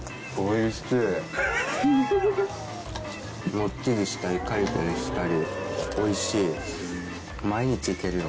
もっちりしたりカリカリしたりおいしい！